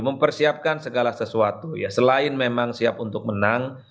mempersiapkan segala sesuatu ya selain memang siap untuk menang